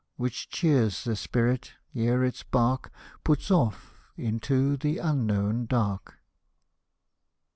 Which cheers the spirit, ere its bark Puts off into the unknown Dark.